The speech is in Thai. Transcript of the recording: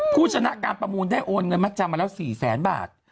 ผู้ชนะการประมูลได้โอนเงินมัดจำมาแล้ว๔แสนบาท